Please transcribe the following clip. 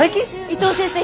伊藤先生